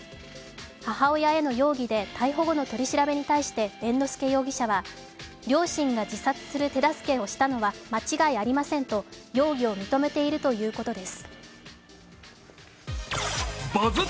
母親への容疑で逮捕後の取り調べに対して猿之助容疑者は両親が自殺する手助けをしたのは間違いありませんと容疑を認めているということです。